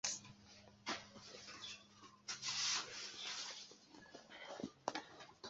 Post kiam Pollando retrovis sian teritorian suverenecon per la Versajlo-traktatoj, ili fariĝis polaj ŝtatanoj.